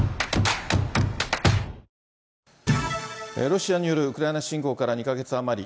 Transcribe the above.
ロシアによるウクライナ侵攻から２か月余り。